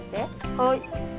はい。